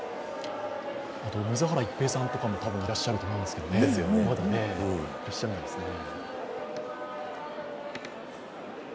水原一平さんとかもたぶんいらっしゃると思うんですけど、まだ、いらっしゃらないですね。